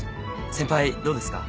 先輩どうですか？